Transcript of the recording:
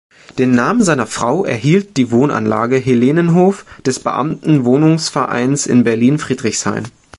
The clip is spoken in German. Den Namen seiner Frau erhielt die Wohnanlage "Helenenhof" des Beamten-Wohnungsvereins in Berlin-Friedrichshain.